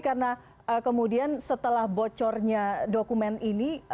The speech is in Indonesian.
karena kemudian setelah bocornya dokumen ini